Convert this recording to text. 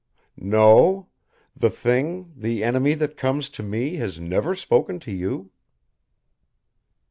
"No? The Thing the enemy that comes to me has never spoken to you?"